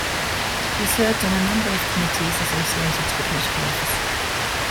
He served on a number of committees associated to the political office.